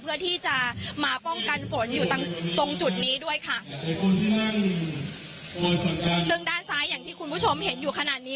เพื่อที่จะมาป้องกันฝนอยู่ตรงจุดนี้ด้วยค่ะซึ่งด้านซ้ายอย่างที่คุณผู้ชมเห็นอยู่ขนาดนี้